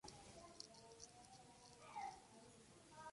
أنت تسأل كثيرا عن شؤون الغير.